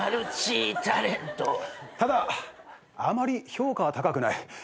ただあまり評価は高くない。